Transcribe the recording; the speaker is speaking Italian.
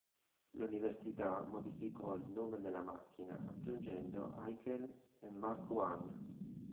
L'università modificò il nome della macchina aggiungendo "Aiken-" e "Mark I".